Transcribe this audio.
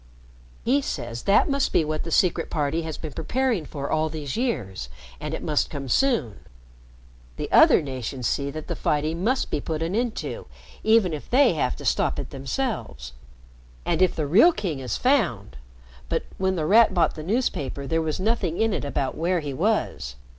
"He says that must be what the Secret Party has been preparing for all these years. And it must come soon. The other nations see that the fighting must be put an end to even if they have to stop it themselves. And if the real King is found but when The Rat bought the newspaper there was nothing in it about where he was.